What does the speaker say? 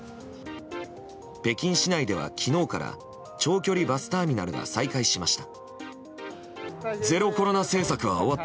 北京市内では昨日から長距離バスターミナルが再開しました。